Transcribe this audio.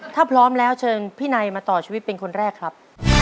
ถ้าพร้อมแล้วเชิญพี่นายมาต่อชีวิตเป็นคนแรกครับ